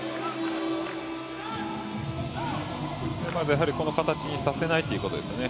やはりこの形にさせないということですよね。